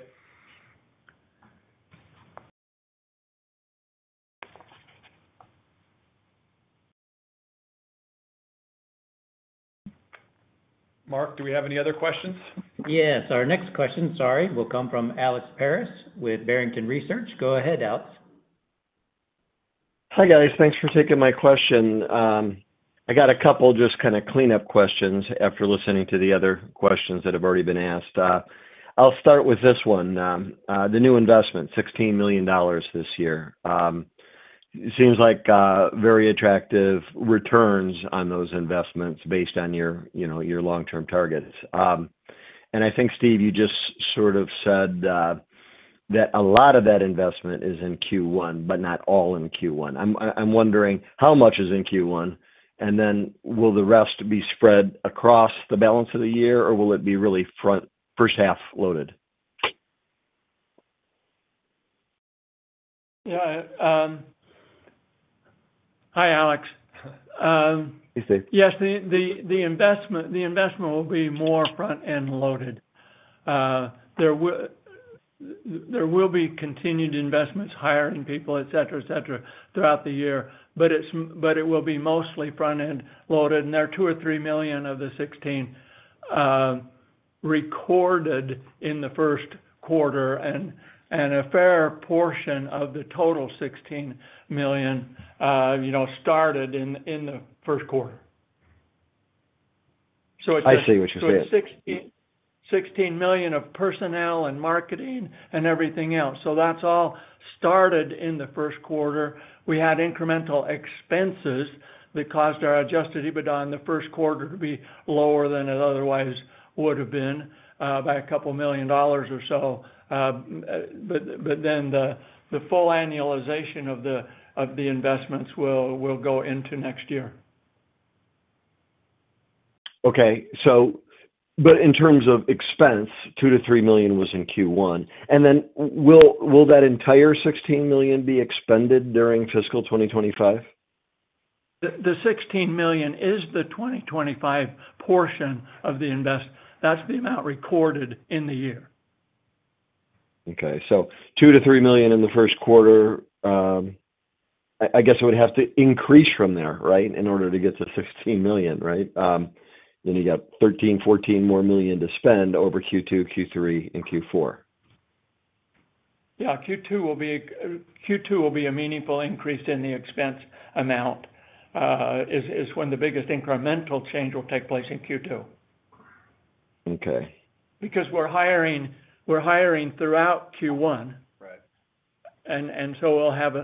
Mark, do we have any other questions? Yes. Our next question, sorry, will come from Alex Paris with Barrington Research. Go ahead, Alex. Hi guys. Thanks for taking my question. I got a couple just kind of cleanup questions after listening to the other questions that have already been asked. I'll start with this one. The new investment, $16 million this year. Seems like very attractive returns on those investments based on your long-term targets. And I think, Steve, you just sort of said that a lot of that investment is in Q1, but not all in Q1. I'm wondering how much is in Q1, and then will the rest be spread across the balance of the year, or will it be really first half loaded? Yeah. Hi, Alex. Hey, Steve. Yes. The investment will be more front-end loaded. There will be continued investments, hiring people, etc., etc., throughout the year, but it will be mostly front-end loaded. And there are $2 or 3 million of the $16 million recorded in the Q1, and a fair portion of the total $16 million started in the Q1. So it's just. I see what you're saying. So $16 million of personnel and marketing and everything else. So that's all started in the Q1. We had incremental expenses that caused our Adjusted EBITDA in the Q1 to be lower than it otherwise would have been by $2 million or so. But then the full annualization of the investments will go into next year. Okay. But in terms of expense, $2-$3 million was in Q1. And then will that entire $16 million be expended during fiscal 2025? The $16 million is the 2025 portion of the investment. That's the amount recorded in the year. Okay, so $2-3 million in the Q1, I guess it would have to increase from there, right, in order to get to $16 million, right, then you got $13-14 more million to spend over Q2, Q3, and Q4. Yeah. Q2 will be a meaningful increase in the expense amount is when the biggest incremental change will take place in Q2. Okay. Because we're hiring throughout Q1 and so we'll have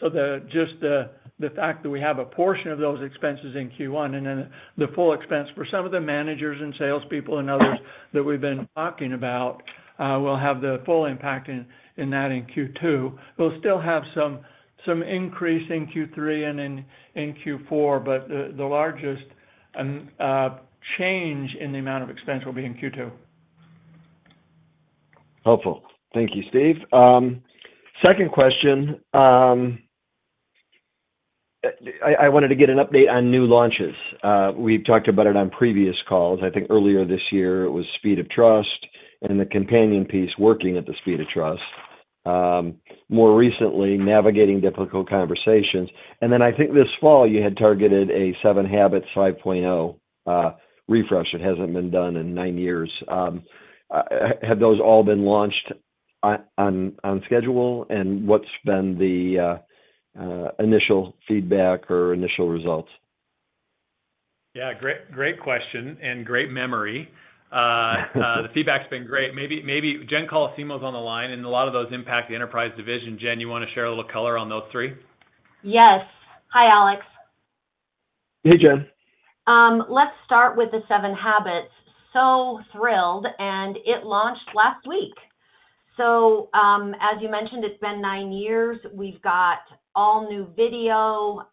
so just the fact that we have a portion of those expenses in Q1 and then the full expense for some of the managers and salespeople and others that we've been talking about will have the full impact in Q2. We'll still have some increase in Q3 and in Q4, but the largest change in the amount of expense will be in Q2. Helpful. Thank you, Steve. Second question. I wanted to get an update on new launches. We've talked about it on previous calls. I think earlier this year it was Speed of Trust and the companion piece Working at the Speed of Trust. More recently, Navigating Difficult Conversations, and then I think this fall you had targeted a 7 Habits 5.0 refresh. It hasn't been done in nine years. Have those all been launched on schedule, and what's been the initial feedback or initial results? Yeah. Great question and great memory. The feedback's been great. Maybe Jen Colosimo's on the line, and a lot of those impact the enterprise division. Jen, you want to share a little color on those three? Yes. Hi, Alex. Hey, Jen. Let's start with the 7 Habits. So thrilled, and it launched last week. So as you mentioned, it's been nine years. We've got all new video,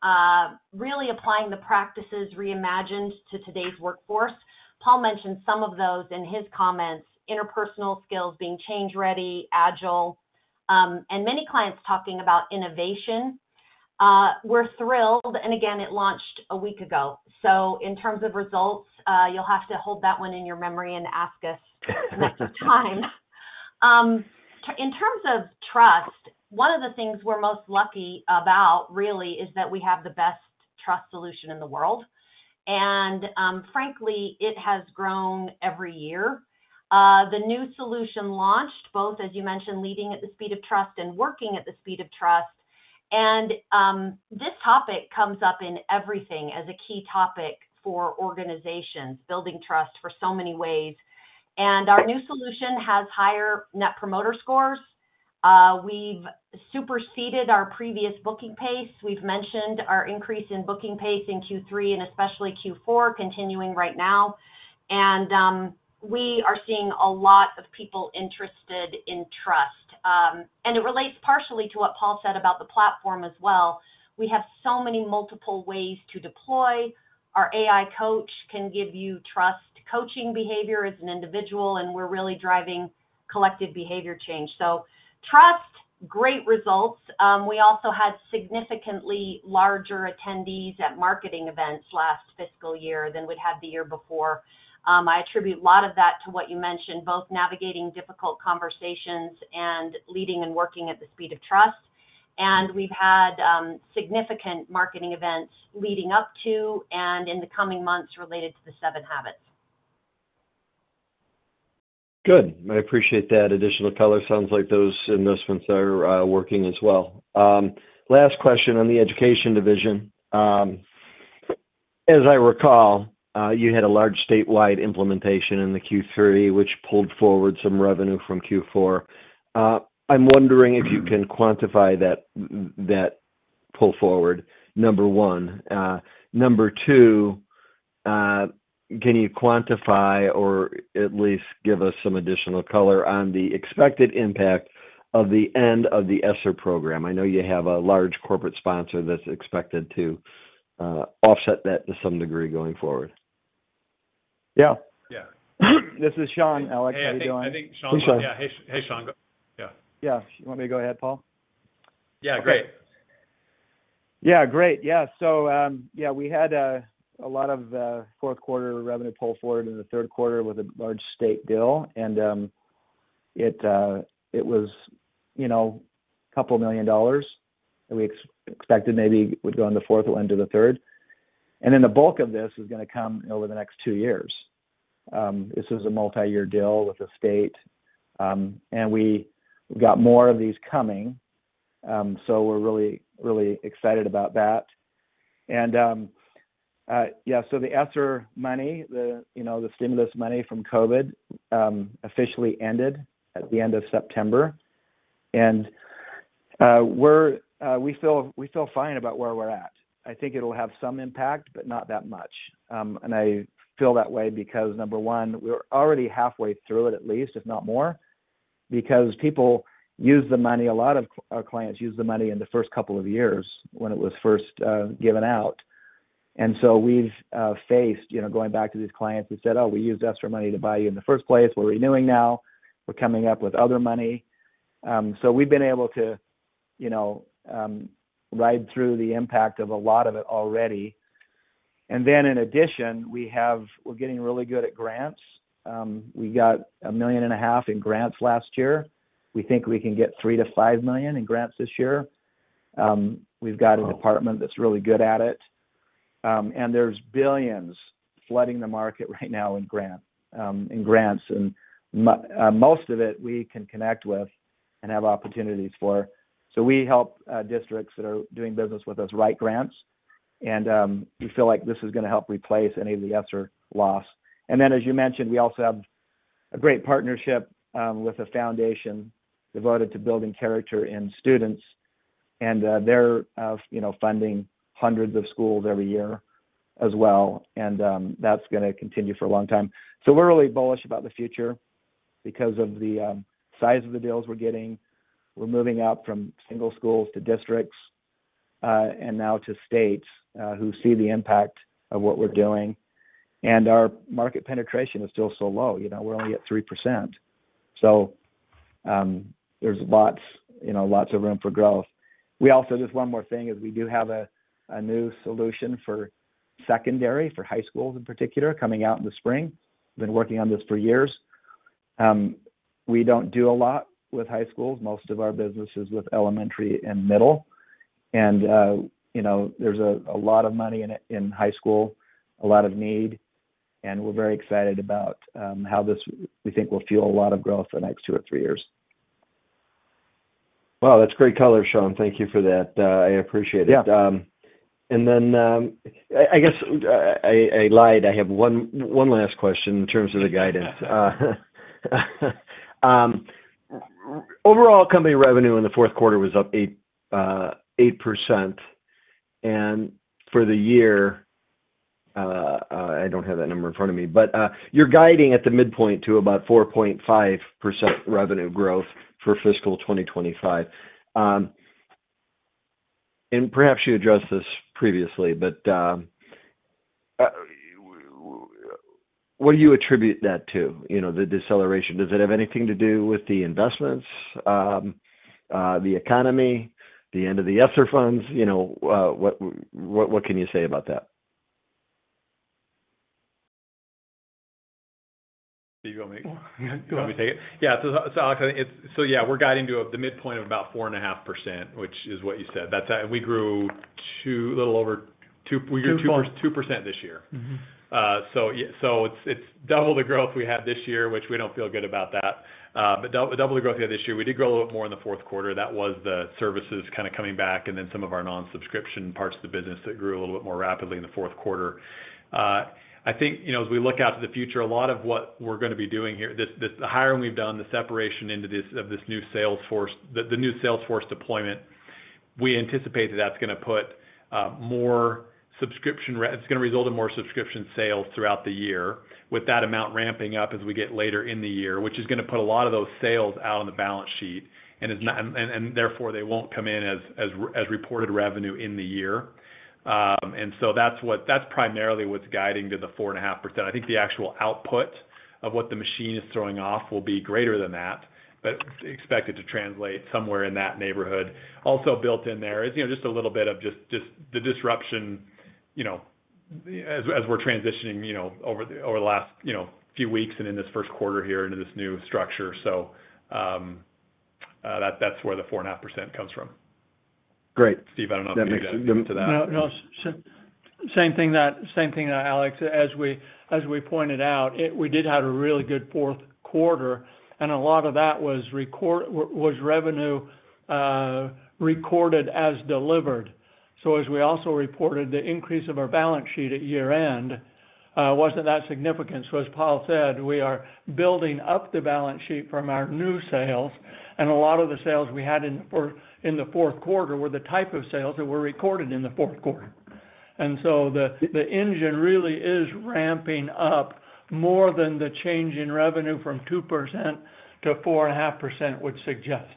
really applying the practices reimagined to today's workforce. Paul mentioned some of those in his comments: interpersonal skills being change-ready, agile, and many clients talking about innovation. We're thrilled. And again, it launched a week ago. So in terms of results, you'll have to hold that one in your memory and ask us next time. In terms of trust, one of the things we're most lucky about really is that we have the best trust solution in the world. And frankly, it has grown every year. The new solution launched, both, as you mentioned, Leading at the Speed of Trust and Working at the Speed of Trust. This topic comes up in everything as a key topic for organizations, building trust in so many ways. Our new solution has higher Net Promoter Scores. We've surpassed our previous booking pace. We've mentioned our increase in booking pace in Q3 and especially Q4 continuing right now. We are seeing a lot of people interested in trust. It relates partially to what Paul said about the platform as well. We have so many multiple ways to deploy. Our AI coach can give you trust coaching behavior as an individual, and we're really driving collective behavior change. Trust, great results. We also had significantly larger attendees at marketing events last fiscal year than we'd had the year before. I attribute a lot of that to what you mentioned, both Navigating Difficult Conversations and Leading at the Speed of Trust and Working at the Speed of Trust. We've had significant marketing events leading up to and in the coming months related to the 7 Habits. Good. I appreciate that additional color. Sounds like those investments are working as well. Last question on the education division. As I recall, you had a large statewide implementation in the Q3, which pulled forward some revenue from Q4. I'm wondering if you can quantify that pull forward, number one. Number two, can you quantify or at least give us some additional color on the expected impact of the end of the ESSER program? I know you have a large corporate sponsor that's expected to offset that to some degree going forward. Yeah. Yeah. This is Sean. Alex, how are you doing? Hey, Sean. Hey, Sean. Yeah. Yeah. You want me to go ahead, Paul? Yeah. Great. Yeah. Great. Yeah. So yeah, we had a lot of Q4 revenue pulled forward in the Q3 with a large state deal. And it was $2 million that we expected maybe would go in the fourth or into the third. And then the bulk of this is going to come over the next two years. This is a multi-year deal with the state. And we've got more of these coming. So we're really, really excited about that. And yeah, so the ESSER money, the stimulus money from COVID, officially ended at the end of September. And we feel fine about where we're at. I think it'll have some impact, but not that much. And I feel that way because, number one, we're already halfway through it at least, if not more, because people use the money. A lot of our clients use the money in the first couple of years when it was first given out. And so we've faced going back to these clients who said, "Oh, we used ESSER money to buy you in the first place. We're renewing now. We're coming up with other money." So we've been able to ride through the impact of a lot of it already. And then in addition, we're getting really good at grants. We got $1.5 million in grants last year. We think we can get $3 million-$5 million in grants this year. We've got a department that's really good at it. And there's billions flooding the market right now in grants. And most of it we can connect with and have opportunities for. So we help districts that are doing business with us write grants. And we feel like this is going to help replace any of the ESSER loss. And then, as you mentioned, we also have a great partnership with a foundation devoted to building character in students. And they're funding hundreds of schools every year as well. And that's going to continue for a long time. So we're really bullish about the future because of the size of the deals we're getting. We're moving out from single schools to districts and now to states who see the impact of what we're doing. And our market penetration is still so low. We're only at 3%. So there's lots of room for growth. We also just one more thing is we do have a new solution for secondary, for high schools in particular, coming out in the spring. We've been working on this for years. We don't do a lot with high schools. Most of our business is with elementary and middle. And there's a lot of money in high school, a lot of need. And we're very excited about how this, we think, will fuel a lot of growth for the next two or three years. Wow, that's great color, Sean. Thank you for that. I appreciate it. And then I guess I lied. I have one last question in terms of the guidance. Overall company revenue in the Q4 was up 8%. And for the year, I don't have that number in front of me, but you're guiding at the midpoint to about 4.5% revenue growth for fiscal 2025. And perhaps you addressed this previously, but what do you attribute that to, the deceleration? Does it have anything to do with the investments, the economy, the end of the ESSER funds? What can you say about that? Do you want me to take it? Yeah. So Alex, so yeah, we're guiding to the midpoint of about 4.5%, which is what you said. We grew a little over 2% this year. So it's double the growth we had this year, which we don't feel good about that. But double the growth we had this year. We did grow a little bit more in the Q4. That was the services kind of coming back and then some of our non-subscription parts of the business that grew a little bit more rapidly in the Q4. I think as we look out to the future, a lot of what we're going to be doing here, the hiring we've done, the separation of this new sales force, the new sales force deployment, we anticipate that that's going to put more subscription, it's going to result in more subscription sales throughout the year with that amount ramping up as we get later in the year, which is going to put a lot of those sales out on the balance sheet, and therefore, they won't come in as reported revenue in the year, and so that's primarily what's guiding to the 4.5%. I think the actual output of what the machine is throwing off will be greater than that, but expected to translate somewhere in that neighborhood. Also built in there is just a little bit of just the disruption as we're transitioning over the last few weeks and in this Q1 here into this new structure. So that's where the 4.5% comes from. Great. Steve, I don't know if you can add to that. No, no. Same thing that Alex, as we pointed out, we did have a really good Q4, and a lot of that was revenue recorded as delivered. So as we also reported, the increase of our balance sheet at year-end wasn't that significant, so as Paul said, we are building up the balance sheet from our new sales. And a lot of the sales we had in the Q4 were the type of sales that were recorded in the Q4, and so the engine really is ramping up more than the change in revenue from 2% to 4.5% would suggest.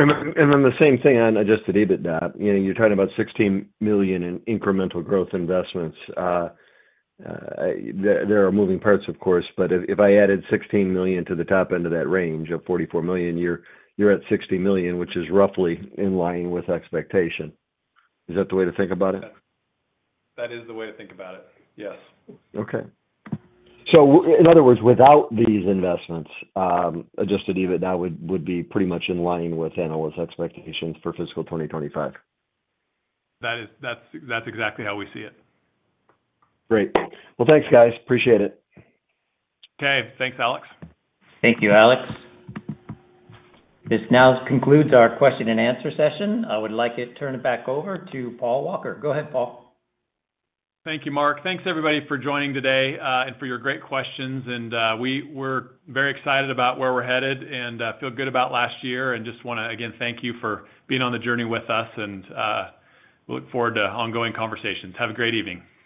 And then the same thing on Adjusted EBITDA. You're talking about $16 million in incremental growth investments. There are moving parts, of course, but if I added $16 million to the top end of that range of $44 million, you're at $60 million, which is roughly in line with expectation. Is that the way to think about it? That is the way to think about it. Yes. Okay, so in other words, without these investments, Adjusted EBITDA would be pretty much in line with analyst expectations for fiscal 2025. That's exactly how we see it. Great. Well, thanks, guys. Appreciate it. Okay. Thanks, Alex. Thank you, Alex. This now concludes our question and answer session. I would like to turn it back over to Paul Walker. Go ahead, Paul. Thank you, Mark. Thanks, everybody, for joining today and for your great questions. And we're very excited about where we're headed and feel good about last year. And just want to, again, thank you for being on the journey with us. And we look forward to ongoing conversations. Have a great evening.